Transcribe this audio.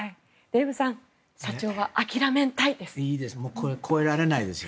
デーブさん社長は諦めんたい！です。